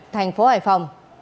thành phố hải phòng